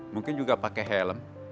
mungkin juga pakai helm